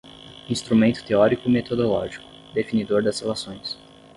instrumento teórico-metodológico, definidor das relações